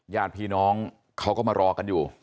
ญาติพี่น้องเขาก็มารอกันอยู่